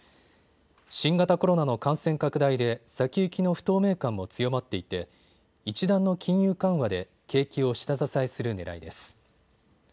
新型コロナの感染拡大で先行きの不透明感も強まっていて一段の金融緩和で景気を下支えするねらいです。